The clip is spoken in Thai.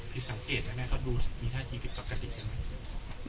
คือสังเกตไหมแม่เขาดูมีท่าทีผิดปกติใช่ไหม